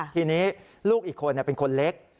ทีนี้ลูกอีกคนเป็นคนเล็ก